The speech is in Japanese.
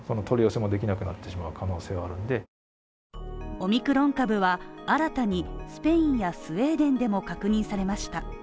オミクロン株は新たにスペインやスウェーデンでも確認されました。